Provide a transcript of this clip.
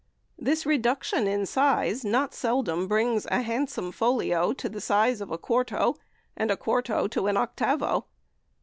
This reduction in size not seldom brings down a handsome folio to the size of quarto, and a quarto to an octavo.